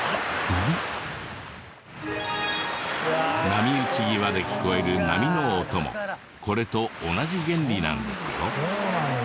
波打ち際で聞こえる波の音もこれと同じ原理なんですよ。